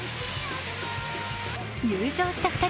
優勝した２人。